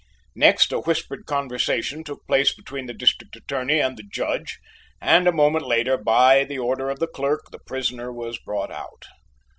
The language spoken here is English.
Next a whispered conversation took place between the District Attorney and the Judge, and a moment later, by the order of the clerk, the prisoner was brought out.